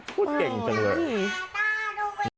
เก่งจังเลย